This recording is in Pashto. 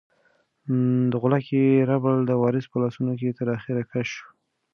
د غولکې ربړ د وارث په لاسونو کې تر اخره کش شو.